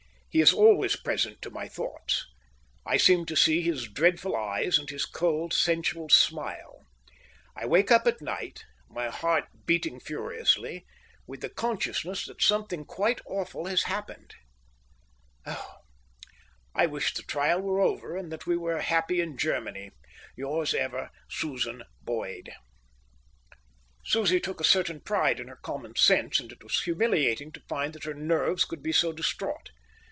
He is always present to my thoughts. I seem to see his dreadful eyes and his cold, sensual smile. I wake up at night, my heart beating furiously, with the consciousness that something quite awful has happened. Oh, I wish the trial were over, and that we were happy in Germany. Yours ever SUSAN BOYD Susie took a certain pride in her common sense, and it was humiliating to find that her nerves could be so distraught.